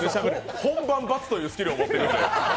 本番×というスキルを持ってると。